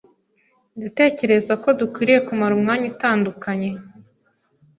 Ndatekereza ko dukwiye kumara umwanya utandukanye.